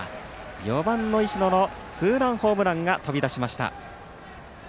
４番の石野のツーランホームランが飛び出しました。